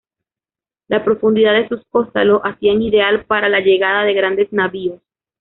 La profundidad de sus costas lo hacían ideal para la llegada de grandes navíos.